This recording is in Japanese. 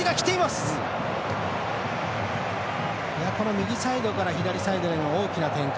右サイドから左サイドへの大きな展開。